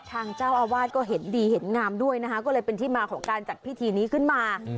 ทางเจ้าอาวาสก็เห็นดีเห็นงามด้วยนะคะก็เลยเป็นที่มาของการจัดพิธีนี้ขึ้นมา